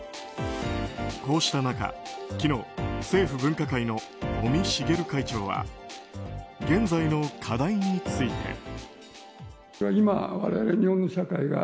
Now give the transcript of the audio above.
こうした中、昨日政府分科会の尾身茂会長は現在の課題について。